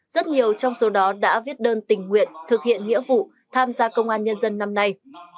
rất nhiều trong số đó đã viết đơn tình nguyện thực hiện nghĩa vụ tham gia công an nhân dân năm nay